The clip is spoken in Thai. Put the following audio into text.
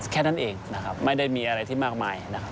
แค่นั้นเองนะครับไม่ได้มีอะไรที่มากมายนะครับ